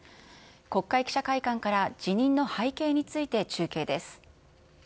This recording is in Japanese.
国会記者会館から辞任の背景について、中継です。